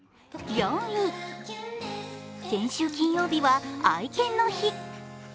先週金曜日は愛犬の日。